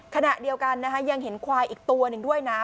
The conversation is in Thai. ขณะเดียวกันนะคะยังเห็นควายอีกตัวหนึ่งด้วยนะ